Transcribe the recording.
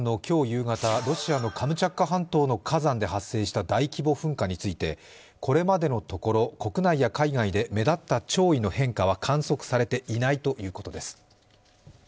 夕方、ロシアのカムチャツカ半島の火山で発生した大規模噴火についてこれまでのところ、国内や海外で目立った潮位の変化は観測されていないということです。